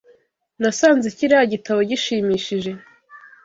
Nasanze kiriya gitabo gishimishije.